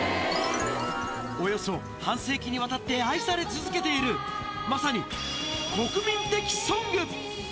およそ半世紀にわたって愛され続けている、まさに国民的ソング。